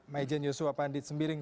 maizen yosua pandit sembiring